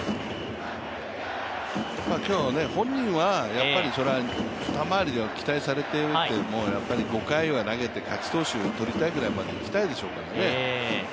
今日はやっぱり本人は２周りで期待されているけれどもやっぱり５回は投げて、勝ち投手をとりたいぐらいまでいきたいでしょうからね。